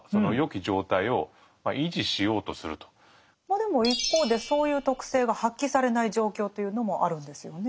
まあでも一方でそういう徳性が発揮されない状況というのもあるんですよね。